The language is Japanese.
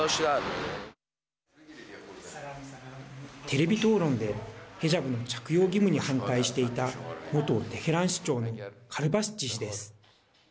テレビ討論でヘジャブの着用義務に反対していた元テヘラン市長のカルバスチ氏です。